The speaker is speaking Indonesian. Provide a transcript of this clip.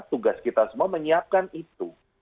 tugas kita semua menyiapkan itu